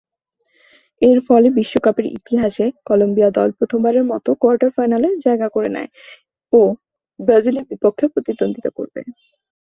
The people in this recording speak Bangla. এরফলে বিশ্বকাপের ইতিহাসে কলম্বিয়া দল প্রথমবারের মতো কোয়ার্টার ফাইনালে জায়গা নেয় ও ব্রাজিলের বিপক্ষে প্রতিদ্বন্দ্বিতা করবে।